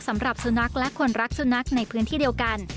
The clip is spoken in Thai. สำหรับสุนัขและคนรักสุนัขในพื้นที่เดียวกัน